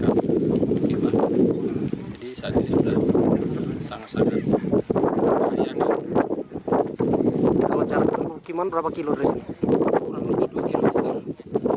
kalau caranya permukiman berapa kilo dari sini